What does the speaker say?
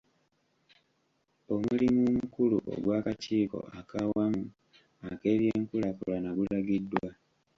Omulimu omukulu ogw'akakiiko ak'awamu ak'ebyenkulaakulana gulagiddwa.